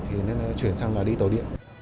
thế nên là chuyển sang là đi tàu điện